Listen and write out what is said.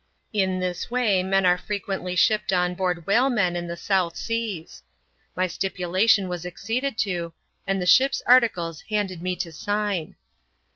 In this way men are frequently shipped on board whalemen in the South Seas. My stipulation was acceded to, and the shipV articles handed me to sign.